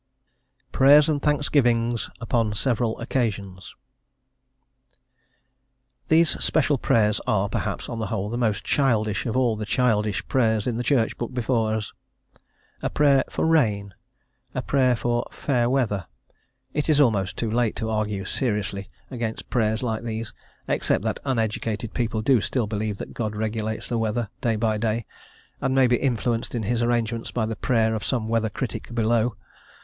PRAYERS AND THANKSGIVINGS UPON SEVERAL OCCASIONS. These special prayers are, perhaps, on the whole, the most childish of all the childish prayers in the Church book before us. A prayer "for rain;" a prayer "for fair weather:" it is almost too late to argue seriously against prayers like these, except that uneducated people do still believe that God regulates the weather, day by day, and may be influenced in His arrangements by the prayer of some weather critic below.